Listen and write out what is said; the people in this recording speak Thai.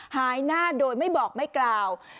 หายหน้าโดยไม่บอกไม่กล่าว